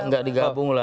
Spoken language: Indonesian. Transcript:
enggak digabung lah